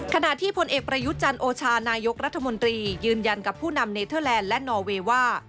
ขณะที่พลเอกประยุทธ์จันทร์โอชานายกรัฐมนตรียืนยันกับผู้นำเนเทอร์แลนด์และนอเวย์ว่า